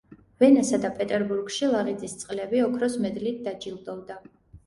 ვენასა და პეტერბურგში ლაღიძის წყლები ოქროს მედლით დაჯილდოვდა.